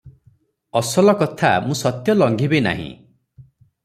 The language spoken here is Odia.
ଅସଲ କଥା ମୁଁ ସତ୍ୟ ଲଙ୍ଘିବି ନାହିଁ ।